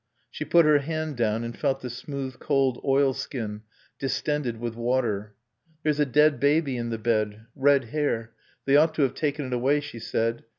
She put her hand down and felt the smooth, cold oilskin distended with water. "There's a dead baby in the bed. Red hair. They ought to have taken it away," she said.